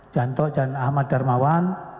jantok dan ahmad dharmawan